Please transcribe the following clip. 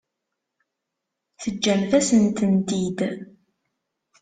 Teǧǧamt-asent-tent-id.